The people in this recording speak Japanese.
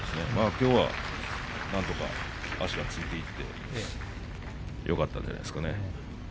きょうは、なんとか足がついていってよかったんじゃないですかね。